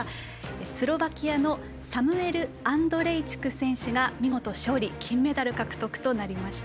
スロバキアのサムエル・アンドレイチク選手が見事勝利金メダル獲得となりました。